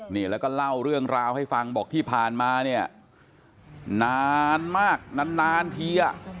นี่แล้วก็เล่าเรื่องราวให้ฟังบอกที่ผ่านมาเนี่ยนานมากนานทีอ่ะ